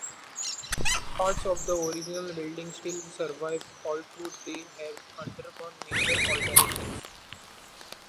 Parts of the original building still survive although they have undergone major alterations.